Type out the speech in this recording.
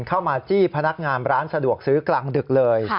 มาจี้พนักงานร้านสะดวกซื้อกลางดึกเลย